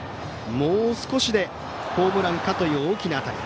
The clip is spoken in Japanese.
もう少しでホームランかという大きな当たり。